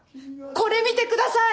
これ見てください！